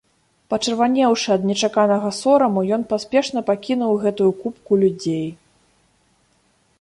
Пачырванеўшы ад нечаканага сораму, ён паспешна пакінуў гэтую купку людзей.